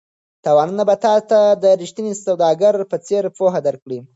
تاوانونه به تا ته د ریښتیني سوداګر په څېر پوهه درکړي.